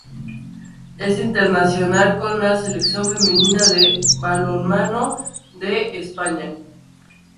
Es internacional con la selección femenina de balonmano de España.